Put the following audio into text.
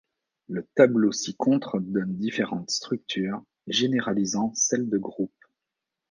Le tableau ci-contre donne différentes structures généralisant celle de groupe.